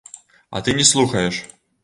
А ты не слухаеш.